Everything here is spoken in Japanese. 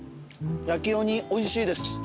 焼きおにおいしいです。